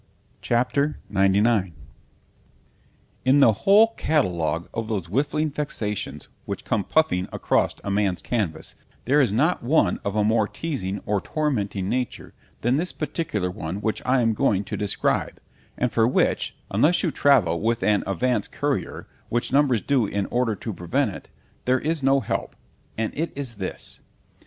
C H A P. XCIX IN the whole catalogue of those whiffling vexations which come puffing across a man's canvass, there is not one of a more teasing and tormenting nature, than this particular one which I am going to describe——and for which (unless you travel with an avance courier, which numbers do in order to prevent it)——there is no help: and it is this.